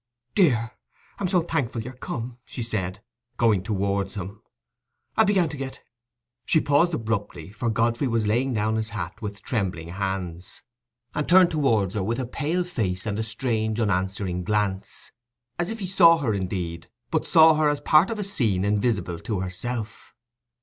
"Dear, I'm so thankful you're come," she said, going towards him. "I began to get—" She paused abruptly, for Godfrey was laying down his hat with trembling hands, and turned towards her with a pale face and a strange unanswering glance, as if he saw her indeed, but saw her as part of a scene invisible to herself.